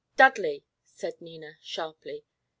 "Dudley!" said Nina, sharply.